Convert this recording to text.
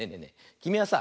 きみはさ